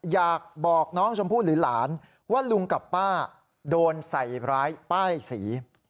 อยากบอกน้องชมพู่หรือหลานว่าลุงกับป้าโดนใส่ร้ายป้ายสี